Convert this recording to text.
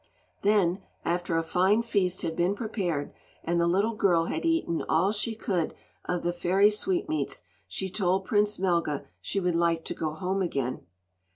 Then, after a fine feast had been prepared, and the little girl had eaten all she could of the fairy sweetmeats, she told Prince Melga she would like to go home again.